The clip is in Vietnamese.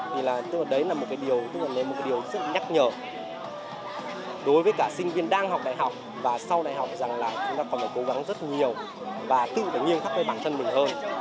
tức là đấy là một cái điều rất nhắc nhở đối với cả sinh viên đang học đại học và sau đại học rằng là chúng ta cần phải cố gắng rất nhiều và tự nghiêm khắc với bản thân mình hơn